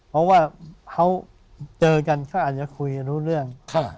เพราะว่าเขาเจอกันเขาอาจจะคุยกันรู้เรื่อง